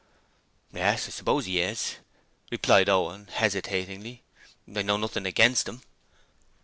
'Yes, I suppose he is,' replied Owen, hesitatingly. 'I know nothing against him.'